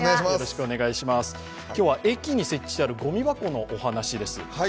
今日は駅に設置してあるごみ箱についてのお話です。